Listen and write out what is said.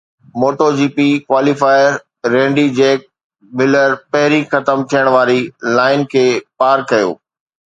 MotoGP qualifier Randy Jack Miller پهرين ختم ٿيڻ واري لائن کي پار ڪيو